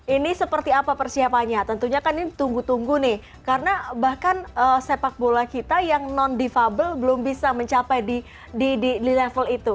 ini seperti apa persiapannya tentunya kan ini tunggu tunggu nih karena bahkan sepak bola kita yang non defable belum bisa mencapai di level itu